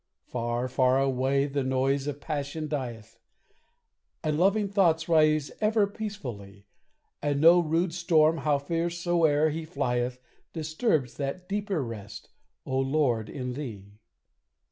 Far, far away the noise of passion dieth, And loving thoughts rise ever peacefully; And no rude storm, how fierce soe'er he flieth, Disturbs that deeper rest, O Lord, in thee.